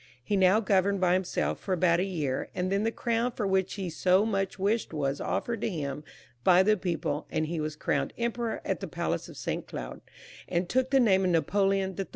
He now governed by himself for about a year, and then the crown for which he so much wished was offered to him by the people, and he was crowned 2g 450 CONCLUSION. Emperor at the Palace of St. Cloud, and took the name of Napoleon III.